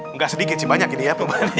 nggak sedikit sih banyak ini ya